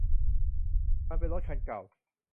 มันเป็นรถคันเก่า